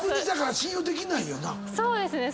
そうですね。